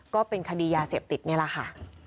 ก็เป็นคดียาเสพติดนี่แหละค่ะ